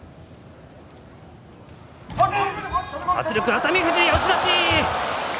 熱海富士、押し出し。